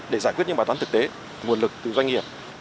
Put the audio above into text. để giải quyết những bài toán thực tế nguồn lực từ doanh nghiệp